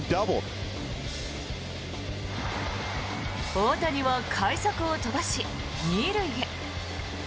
大谷は快足を飛ばし２塁へ。